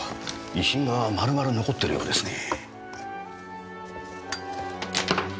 遺品が丸々残ってるようですね。